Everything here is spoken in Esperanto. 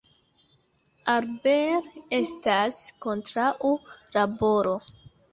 Albert estas kontraŭ laboro.